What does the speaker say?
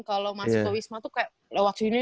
kalau mas kowisma itu kayak